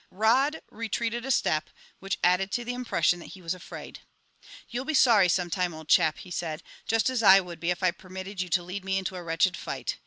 Rod retreated a step, which added to the impression that he was afraid. "You'll be sorry some time, old chap," he said, "just as I would be if I permitted you to lead me into a wretched fight.